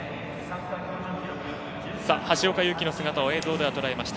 橋岡優輝の姿の映像です。